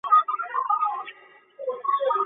贤治的少数生前发表的一个童话。